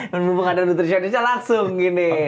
dan mumpung ada nutrisionisnya langsung gini